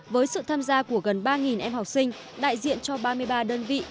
với sự tham gia của gần ba em học sinh đại diện cho ba mươi ba đơn vị